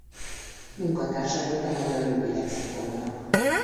Munkatársa volt a Magyar jogi lexikonnak.